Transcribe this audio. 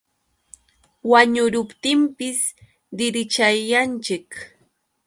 Wañuruptinpis dirichayanchik.